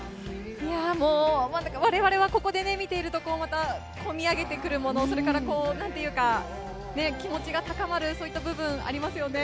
もうわれわれはここで見ていると、また込み上げてくるもの、それから、なんていうか、気持ちが高まる、そういった部分ありますよね。